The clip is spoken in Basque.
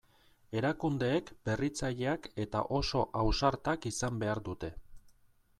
Erakundeek berritzaileak eta oso ausartak izan behar dute.